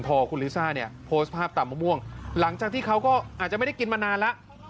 พอคุณลิซ่าเนี่ยโพสต์ภาพตำมะม่วงหลังจากที่เขาก็อาจจะไม่ได้กินมานานแล้ว